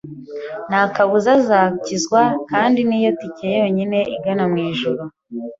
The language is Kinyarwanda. nta kabuza azakizwa kandi niyo tike yonyine igana mu ijuru ".